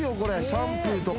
シャンプーとか。